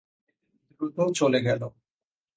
দ্রুত চলে গেল।